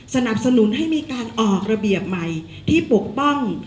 สนับสนุนให้มีการออกระเบียบใหม่ที่ปกป้อง